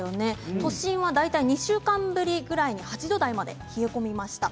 都心は大体２週間ぶりぐらいに８度台まで冷え込みました。